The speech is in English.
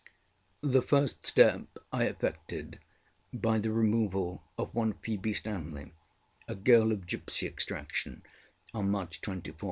The first step I effected by the removal of one Phoebe Stanley, a girl of gipsy extraction, on March 24, 1792.